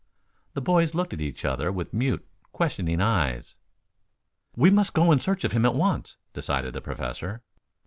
The boys looked at each other with mute, questioning eyes. "We must go in search of him at once," decided the Professor.